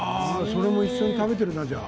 それも一緒に食べてるんだ、じゃあ。